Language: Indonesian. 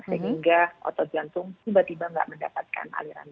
sehingga otot jantung tiba tiba tidak mendapatkan aliran